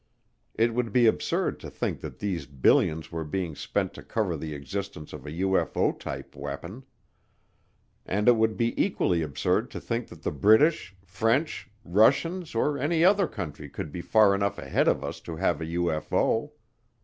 It would be absurd to think that these billions were being spent to cover the existence of a UFO type weapon. And it would be equally absurd to think that the British, French, Russians or any other country could be far enough ahead of us to have a UFO.